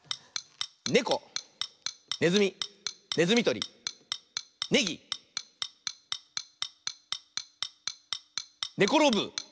「ねこ」「ねずみ」「ねずみとり」「ねぎ」「ねころぶ」。